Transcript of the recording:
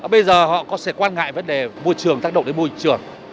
bây giờ họ sẽ quan ngại vấn đề môi trường tác động đến môi trường